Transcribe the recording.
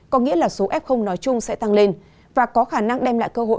có nghĩa là số f nói chung sẽ tăng lên và có khả năng đem lại cơ hội